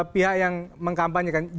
pihak yang mengkampanyekan